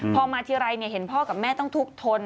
พอมาทีไรเห็นพ่อกับแม่ต้องทุกข์ทน